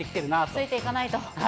ついていかないと。